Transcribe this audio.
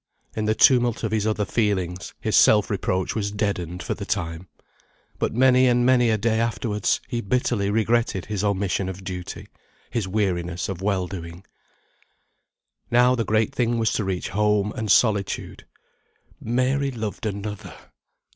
In the tumult of his other feelings, his self reproach was deadened for the time. But many and many a day afterwards he bitterly regretted his omission of duty; his weariness of well doing. Now, the great thing was to reach home, and solitude. Mary loved another!